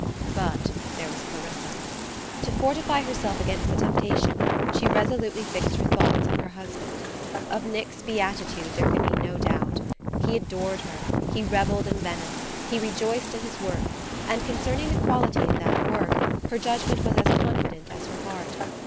But there was Clarissa ! To fortify herself against the temptation, she resolutely fixed her thoughts on her husband. Of Nick's beatitude there could be no doubt. He adored her, he revelled in Venice, he rejoiced in his work; and concerning the quality of that work her judgment was as confident as her heart.